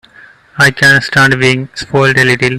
I can stand being spoiled a little.